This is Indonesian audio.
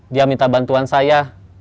dia minta bantuan saya